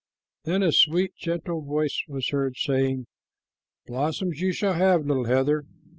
Then a sweet, gentle voice was heard saying, "Blossoms you shall have, little heather.